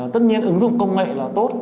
tất nhiên ứng dụng công nghệ là tốt